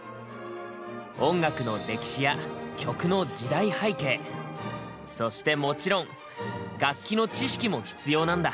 音楽の歴史や曲の時代背景そしてもちろん楽器の知識も必要なんだ。